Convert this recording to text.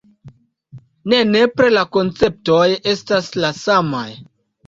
Ne nepre la konceptoj estas la samaj.